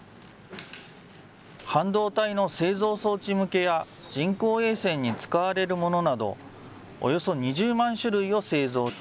半導体の製造装置向けや人工衛星に使われるものなど、およそ２０万種類を製造。